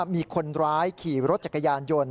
มีคนร้ายขี่รถจักรยานยนต์